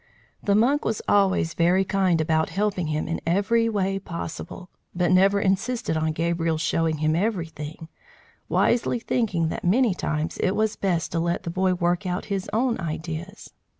The monk was always very kind about helping him in every way possible, but never insisted on Gabriel's showing him everything, wisely thinking that many times it was best to let the boy work out his own ideas.